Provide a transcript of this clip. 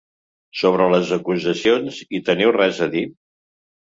Sobre les acusacions, hi teniu res a dir?